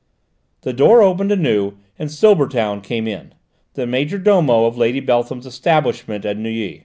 The door opened anew, and Silbertown came in, the major domo of Lady Beltham's establishment at Neuilly.